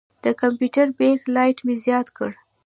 د کمپیوټر بیک لایټ مې زیات کړ.